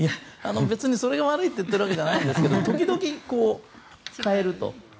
別にそれが悪いと言っているわけじゃないんですが時々、変えると。